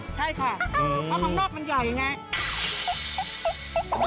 ใช่ค่ะเพราะของนอกมันใหญ่อย่างนี้